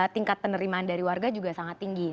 tingkat penerimaan dari warga juga sangat tinggi